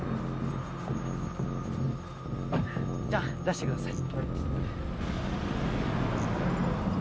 「じゃあ出してください」